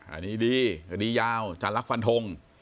อันนี้ดีดียาวอาจารย์รักษ์ฟันธง